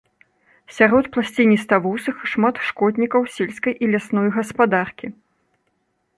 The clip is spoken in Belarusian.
Сярод пласцініставусых шмат шкоднікаў сельскай і лясной гаспадаркі.